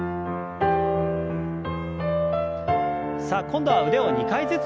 さあ今度は腕を２回ずつ回します。